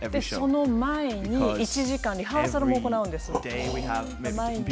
その前に１時間リハーサルも行うんですよ。